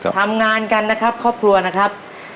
ทำงานกันนะครับครอบครัวนะครับ